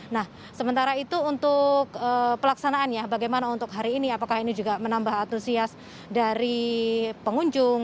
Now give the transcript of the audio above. nah sementara itu untuk pelaksanaannya bagaimana untuk hari ini apakah ini juga menambah antusias dari pengunjung